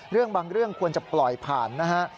เรื่องบางเรื่องควรจะปล่อยผ่านนะฮะ